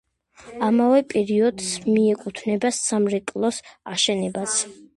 ამავე პერიოდს მიეკუთვნება სამრეკლოს აშენებაც.